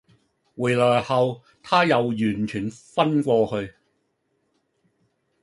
回來後她又完全昏過去